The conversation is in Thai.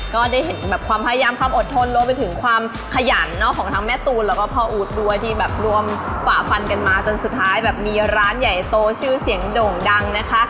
ก็ได้เห็นแบบความพยายามความอดทนรวมไปถึงความขยันของทั้งแม่ตูนแล้วก็พ่ออู๊ดด้วยที่แบบรวมฝ่าฟันกันมาจนสุดท้ายแบบมีร้านใหญ่โตชื่อเสียงโด่งดังนะคะ